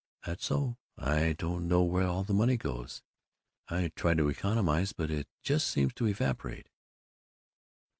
"That's so. I don't know where all the money goes to. I try to economize, but it just seems to evaporate."